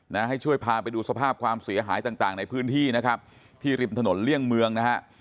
ให้ช่วยพาไปดูสภาพความเสียหายต่างต่างในพื้นที่นะครับที่ริมถนนเลี่ยงเมืองนะฮะ